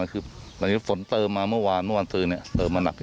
หลังจากนี้ฝนเติมมาเมื่อวานมีวันตื่นเติมมาหนัก